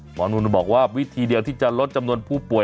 หมอนุนบอกว่าวิธีเดียวที่จะลดจำนวนผู้ป่วย